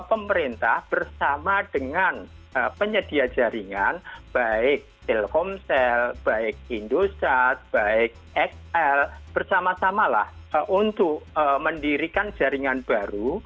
pemerintah bersama dengan penyedia jaringan baik telkomsel baik indosat baik xl bersama samalah untuk mendirikan jaringan baru